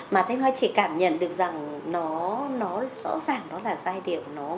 mà thành hoa chỉ cảm nhận được rằng nó rõ ràng là giai điệu